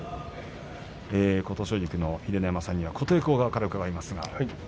琴奨菊の秀ノ山さんには琴恵光側から伺います。